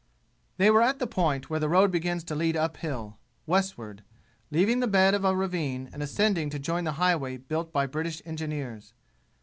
They were at the point where the road begins to lead up hill, westward, leaving the bed of a ravine and ascending to join the highway built by British engineers.